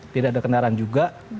tidak ada kendaraan juga